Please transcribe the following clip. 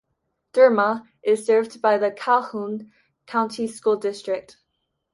Derma is served by the Calhoun County School District.